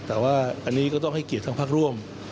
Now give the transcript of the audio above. แต่ว่าอันนี้ก็ต้องให้เกียรติทั้งพักร่วม